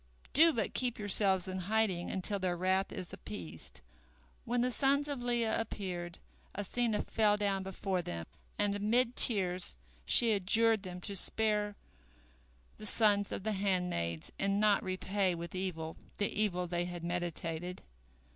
Do but keep yourselves in hiding until their wrath is appeased." When the sons of Leah appeared, Asenath fell down before them, and amid tears she adjured them to spare the sons of the handmaids and not repay with evil the evil they had meditated.